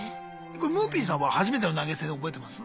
むーぴんさんは初めての投げ銭覚えてます？